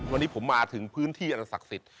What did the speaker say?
วันนี้ผมมาถึงพื้นที่อันศักดิ์สิทธิ์